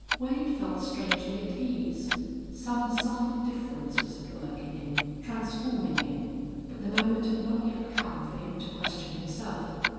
Wade felt strangely at ease. Some subtle difference was at work in him, transforming him, but the moment had not yet come for him to question himself.